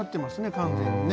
完全にね。